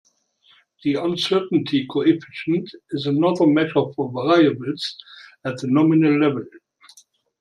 The uncertainty coefficient is another measure for variables at the nominal level.